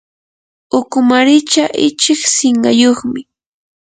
ukumaricha ichik sinqayuqmi.